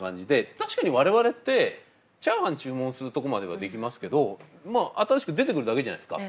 確かに我々ってチャーハン注文するとこまではできますけどまあ新しく出てくるだけじゃないですか。